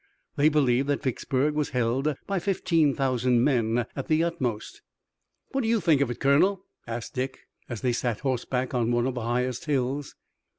They believed that Vicksburg was held by fifteen thousand men at the utmost. "What do you think of it, Colonel?" asked Dick, as they sat horseback on one of the highest hills.